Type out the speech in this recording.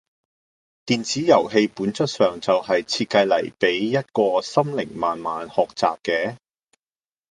電子遊戲本質上就係設計嚟俾一個心靈慢慢學習嘅